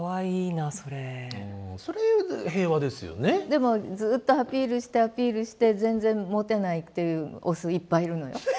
でもずっとアピールしてアピールして全然モテないっていうオスいっぱいいるのよ。